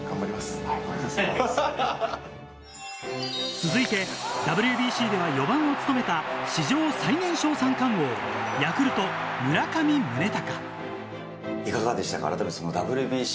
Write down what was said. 続いてＷＢＣでは４番を務めた史上最年少三冠王、ヤクルト・村上宗隆。